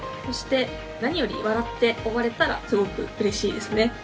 そして、何より笑って終われたらすごくうれしいですね。